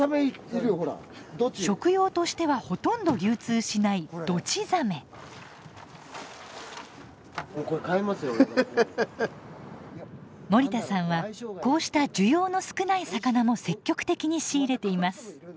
食用としてはほとんど流通しない森田さんはこうした需要の少ない魚も積極的に仕入れています。